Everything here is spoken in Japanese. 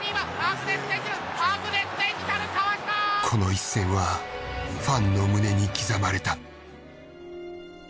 この一戦はファンの胸に刻まれた。